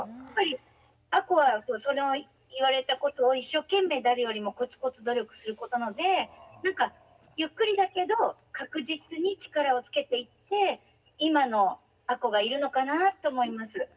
やっぱり亜子は言われたことを一生懸命誰よりもコツコツ努力する子なのでゆっくりだけど確実に力をつけていって今の亜子がいるのかなと思います。